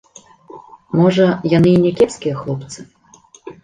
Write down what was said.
Можа, яны і някепскія хлопцы.